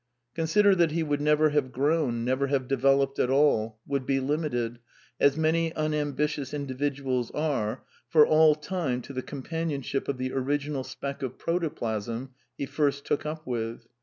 Consider that he would never have grown, never have de veloped at all, would be limited — as many unambitious in dividuals are — for all time to the companionship of the original speck of protoplasm he first took up with.